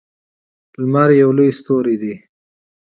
لمر یوه لویه ستوری ده